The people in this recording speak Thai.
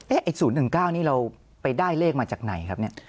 ไอ้๐๑๙นี่เราไปได้เลขมาจากไหนครับเนี่ย